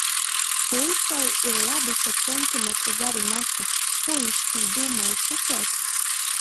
Puikai ir labi ka centimetru gari moti. Kū jis tī dūmoj sukuot?